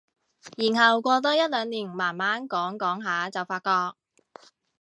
然後過多一兩年慢慢講講下就發覺